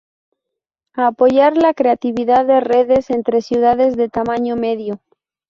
Apoyar la creatividad de redes entre ciudades de tamaño medio.